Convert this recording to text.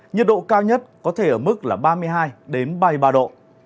nhiệt độ cao nhất có thể ở mức là ba mươi hai ba mươi ba độ